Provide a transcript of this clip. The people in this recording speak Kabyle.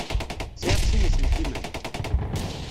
Tesεiḍ sin iselkimen?